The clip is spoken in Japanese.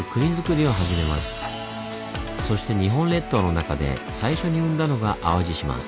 そして日本列島の中で最初に生んだのが淡路島。